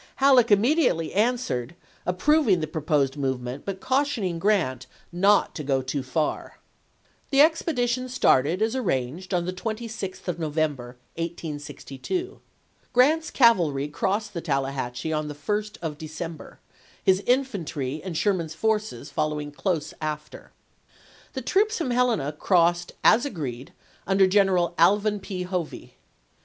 Halleck immediately answered, approving the proposed movement but cautioning Grant not to go too far. 124 ABRAHAM LINCOLN chap. v. The expedition started, as arranged, on the 26th of November, 1862. Grant's cavalry crossed the Tallahatchie on the 1st of December, his infantry and Sherman's forces following close after. The troops from Helena crossed, as agreed, nnder General Alvin P. Hovey.